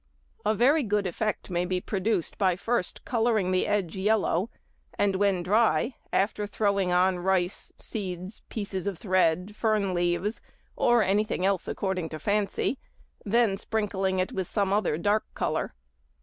A very good effect may be produced by first colouring the edge yellow, and when dry, after throwing on rice, seeds, pieces of thread, fern leaves, or anything else according to fancy, then sprinkling with some other dark colour.